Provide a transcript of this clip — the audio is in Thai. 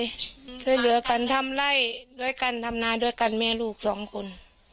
ช่วยเหลือกันทำไล่ด้วยกันทำนาด้วยกันแม่ลูกสองคน